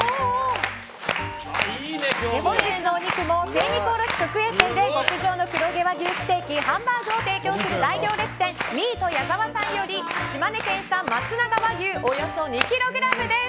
本日のお肉も精肉卸直営店で極上の黒毛和牛ステーキハンバーグを提供する大行列店ミート矢澤さんより、島根県産まつなが和牛およそ２ｋｇです！